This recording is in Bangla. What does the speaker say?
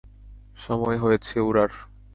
সময় হয়েছে উড়ার!